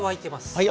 はい。